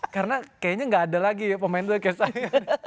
karena kayaknya gak ada lagi pemain telepon kayak saya